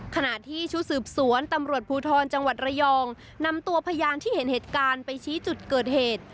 ขณะที่ชุดสืบสวนตำรวจภูทรจังหวัดระยองนำตัวพยานที่เห็นเหตุการณ์ไปชี้จุดเกิดเหตุ